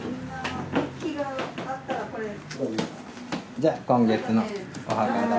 じゃあ今月のお墓代です。